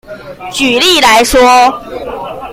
舉例來說